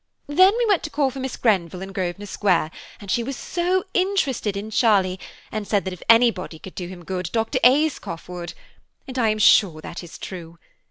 Then we went to call for Miss Grenville in Grosvenor Square, and she was so interested in Charlie and said that if anybody could do him good Dr. Ayscough would; and I am sure that is true.